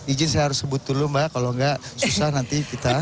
izin saya harus sebut dulu mbak kalau enggak susah nanti kita